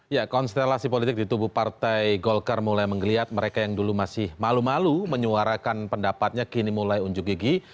ya konstelasi politik di tubuh partai golkar mulai menggeliat mereka yang dulu masih malu malu menyuarakan pendapatnya kini mulai unjuk gigi